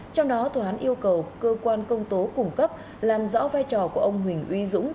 trong đó tòa án yêu cầu cơ quan công tố cung cấp làm rõ vai trò của ông huỳnh uy dũng